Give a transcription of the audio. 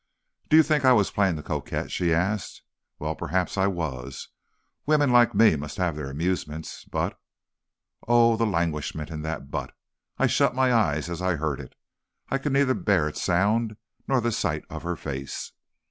"'Did you think I was playing the coquette?' she asked. 'Well, perhaps I was; women like me must have their amusements; but ' "Oh! the languishment in that but. I shut my eyes as I heard it. I could neither bear its sound, nor the sight of her face.